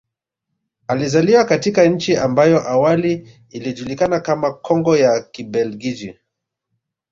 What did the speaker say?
Alizaliwa katika nchi ambayo awali ilijukana kama Kongo ya Kibelgiji